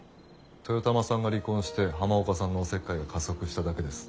豊玉さんが離婚して浜岡さんのお節介が加速しただけです。